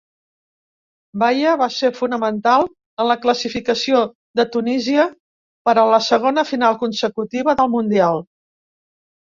Baya va ser fonamental en la classificació de Tunísia per a la segona final consecutiva del mundial.